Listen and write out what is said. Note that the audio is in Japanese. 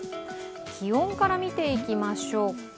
気温から見ていきましょうか。